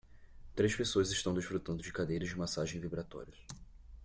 Três pessoas estão desfrutando de cadeiras de massagem vibratórias.